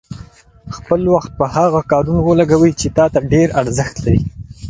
خپل وخت په هغه کارونو ولګوئ چې تا ته ډېر ارزښت لري.